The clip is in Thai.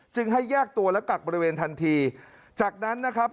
ให้แยกตัวและกักบริเวณทันทีจากนั้นนะครับ